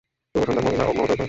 শুভ সন্ধ্যা মহিলা ও মহোদয়গণ।